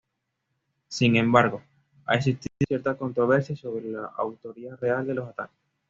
Sin embargo, ha existido cierta controversia sobre la autoría real de los ataques.